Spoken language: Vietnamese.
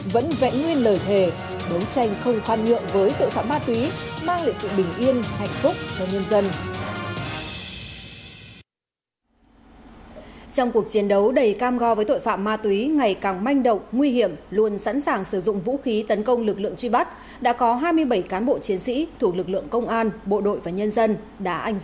vẫn vẽ nguyên lời thề đấu tranh không khoan nhượng với tội phạm ma túy mang lại sự bình yên hạnh phúc cho nhân dân